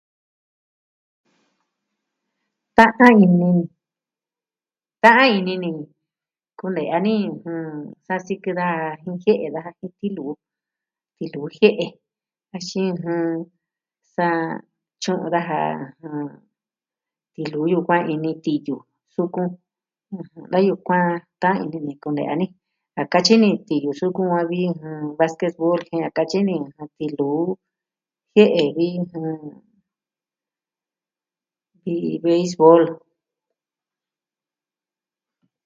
Tatan ini... Ta'an ini ni kune'ya ni ɨjɨn sa sikɨ da jin jie'e daja jin tiluu, tiluu jie'e axin ɨjɨn sa tyu'un daja ɨjɨn tiluu yukuan ini tiyu sukun. Da yukuan ta'an ini ni kune'ya ni a katyi ni tiluu yuku a vi vasketbol jin a katyi ni tiluu jie'e vi jɨ... vi veisvol.